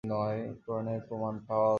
কুরআনে এর প্রমাণ পাওয়া যায়।